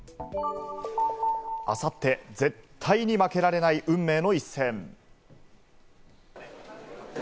あさって絶対に負けられない運命の一戦。